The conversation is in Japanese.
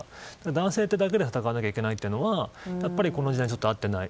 男性というだけで戦わないといけないというのはこの時代に合っていない。